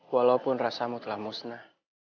walaupun rasamu telah musnah